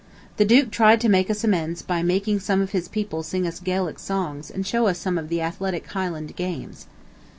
The Duke tried to make us amends by making some of his people sing us Gaelic songs and show us some of the athletic Highland games.